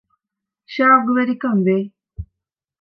ޝައުޤުވެރިކަން ވެ